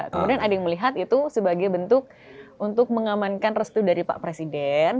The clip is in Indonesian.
kemudian ada yang melihat itu sebagai bentuk untuk mengamankan restu dari pak presiden